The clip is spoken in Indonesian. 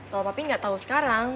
kalau papi nggak tahu sekarang